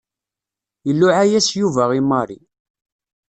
Iluɛa-yas Yuba i Mary.